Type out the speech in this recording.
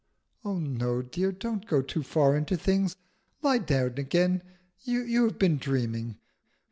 "Oh no, dear, don't go too far into things. Lie down again. You have been dreaming.